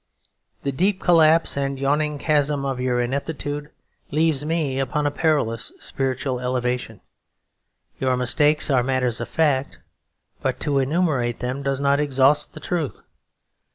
The deep collapse and yawning chasm of your ineptitude leaves me upon a perilous spiritual elevation. Your mistakes are matters of fact; but to enumerate them does not exhaust the truth.